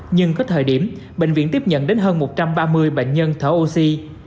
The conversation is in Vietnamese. nhưng có thời điểm bệnh viện tiếp nhận đến hơn một trăm ba mươi bệnh nhân thở oxy